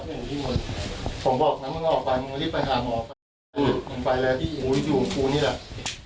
ผมบอกนะมึงออกไปมึงรีบไปหาหมอมึงไปแล้วที่อุ้ยอยู่อยู่นี่แหละ